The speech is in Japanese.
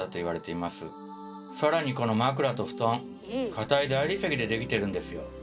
さらにこの枕と布団硬い大理石でできてるんですよ。